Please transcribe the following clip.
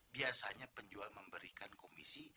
biasanya penjual memberikan komisi